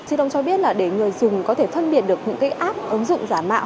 chị đông cho biết là để người dùng có thể thân biệt được những cái app ứng dụng giả mạo